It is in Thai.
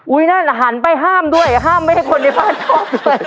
นั่นหันไปห้ามด้วยห้ามไม่ให้คนในบ้านชอบเลย